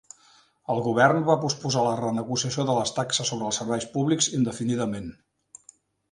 El govern va posposar la renegociació de les taxes sobre els serveis públics indefinidament.